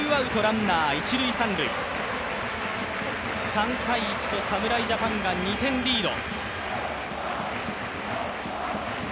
３−１と侍ジャパンが２点リード。